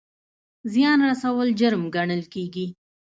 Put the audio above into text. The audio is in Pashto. زیان رسول جرم ګڼل کیږي